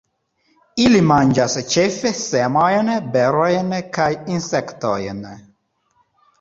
Ili manĝas ĉefe semojn, berojn kaj insektojn.